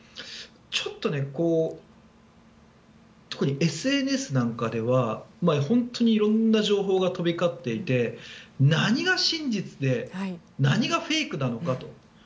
ちょっと特にＳＮＳなんかでは本当に色んな情報が飛び交っていて何が真実で何がフェイクなのかと。